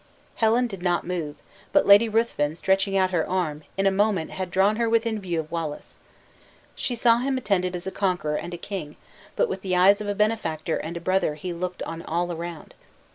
Helen did not move; but Lady Ruthven stretching out her arm, in a moment had drawn her within view of Wallace. She saw him attended as a conqueror and a king; but with the eyes of a benefactor and a brother he looked on all around.